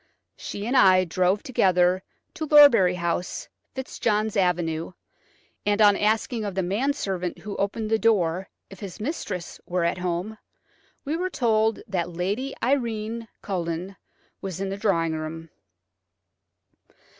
She and I drove together to Lorbury House, Fitzjohn's Avenue, and on asking of the manservant who opened the door if his mistress were at home, we were told that Lady Irene Culledon was in the drawing room.